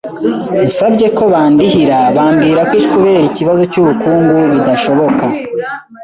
nsabye ko bandihira bambwira ko kubera ikibazo cy’ubukungu bidashoboka,